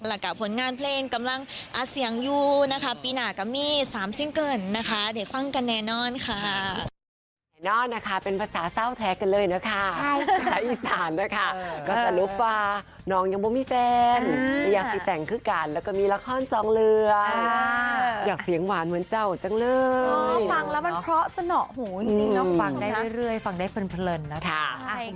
ละกับผลงานเพลงกำลังเสียงอยู่นะคะปีหน้าก็มี๓ซิงเกิ้ลนะคะเดี๋ยวฟังกันแน่นอนค่ะ